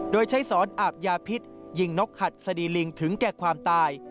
โดยใช้สอนอาบยาพิษยิงนกหัดสดีลิงถึงแก่ความตาย